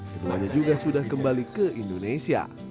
keduanya juga sudah kembali ke indonesia